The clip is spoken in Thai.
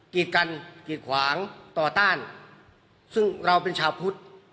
กิจกันกีดขวางต่อต้านซึ่งเราเป็นชาวพุทธ